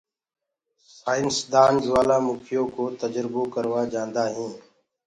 سآئينسدآن جوآلآ مِکيو ڪو تجربو ڪورآ جآندآ هينٚ